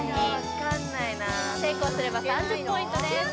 ・分かんない成功すれば３０ポイントです